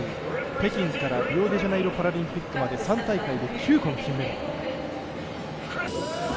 北京からリオデジャネイロパラリンピックまで３大会で９個の金メダル。